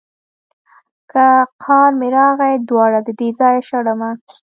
که قار مې راغی دواړه ددې ځايه شړمه.